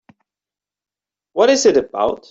What is it about?